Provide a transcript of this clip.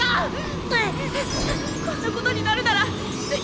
こんなことになるなら銭